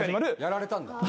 やられたんだ。